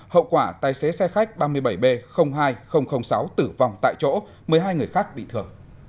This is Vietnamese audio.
hậu quả tài xế xe khách ba mươi bảy b hai sáu tử vong tại chỗ một mươi hai người khác bị thừa